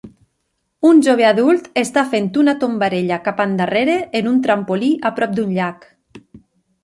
Un jove adult està fent una tombarella cap endarrere en un trampolí a prop d'un llac.